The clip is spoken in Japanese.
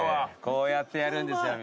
こうやってやるんですよ。